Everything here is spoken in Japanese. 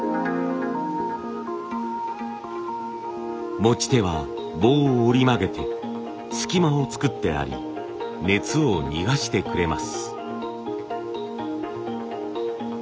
持ち手は棒を折り曲げて隙間を作ってあり熱を逃がしてくれます。